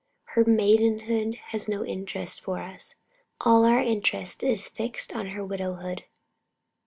Her maidenhood has no interest for us; all our interest is fixed on her widowhood.